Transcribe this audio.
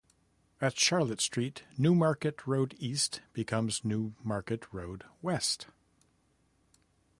At Charlotte Street New Market Road East becomes New Market Road West.